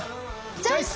チョイス！